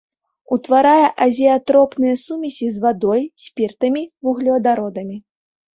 Утварае азеатропныя сумесі з вадой, спіртамі, вуглевадародамі.